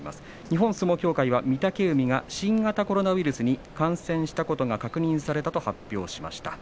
日本相撲協会は御嶽海が新型コロナウイルスに感染したことが確認されたと発表しました。